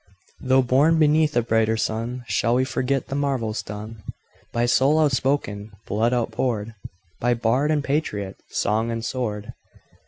Though born beneath a brighter sun, Shall we forget the marvels done, By soul outspoken, blood outpoured, By bard and patriot, song and sword?